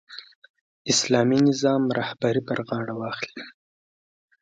اسلامي نظام رهبري پر غاړه واخلي.